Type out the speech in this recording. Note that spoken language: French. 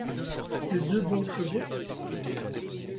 De deux bons chevaux ?